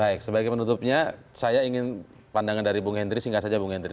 baik sebagai penutupnya saya ingin pandangan dari bung hendry singkat saja bung hendry